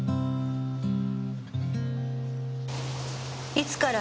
いつから？